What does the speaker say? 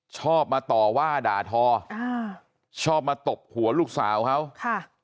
ชอบมาต่อว่าด่าทออ่าชอบมาตบหัวลูกสาวเขาค่ะ